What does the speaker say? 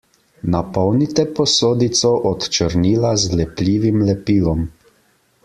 Napolnite posodico od črnila z lepljivim lepilom.